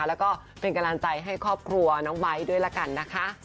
และก็เป็นกำลังใจให้ครอบครัวน้องไม้ด้วยละกัน